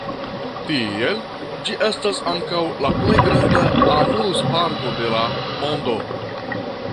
Tiel, ĝi estas ankaŭ la plej granda amuzparko de la mondo.